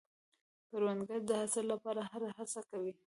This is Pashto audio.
کروندګر د حاصل لپاره هره هڅه کوي